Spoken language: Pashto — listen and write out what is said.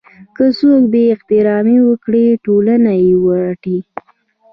که څوک بې احترامي وکړي ټولنه یې ورټي.